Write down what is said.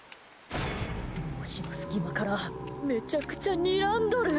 帽子の隙間からめちゃくちゃにらんどる！